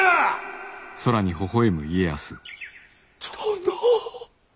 殿。